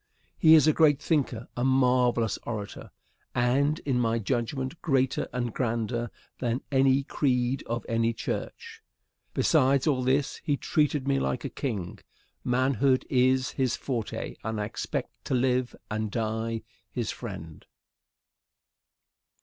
He is a great thinker, a marvelous orator, and, in my judgment, greater and grander than any creed of any church. Besides all this, he treated me like a king. Manhood is his forte, and I expect to live and die his friend.